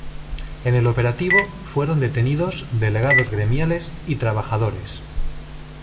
En el operativo fueron detenidos delegados gremiales y trabajadores.